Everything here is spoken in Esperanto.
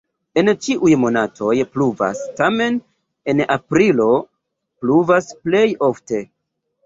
En ĉiuj monatoj pluvas, tamen en aprilo pluvas plej ofte.